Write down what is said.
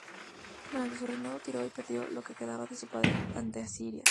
Durante su reinado, Tiro perdió lo que quedaba de su poder ante Asiria.